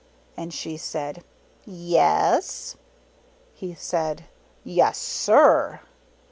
And she said, "Yes." He said, "Yes, SIR."